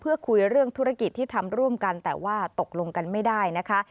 เพื่อคุยเรื่องธุรกิจที่ทำร่วมกันแต่ว่าตกลงกันไม่ได้นะคะ